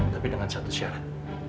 tapi dengan satu syarat